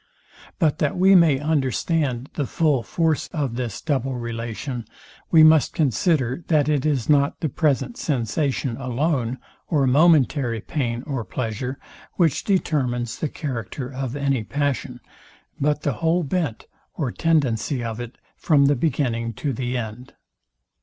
But that we may understand the full force of this double relation, we must consider, that it is not the present sensation alone or momentary pain or pleasure, which determines the character of any passion, but the whole bent or tendency of it from the beginning to the end.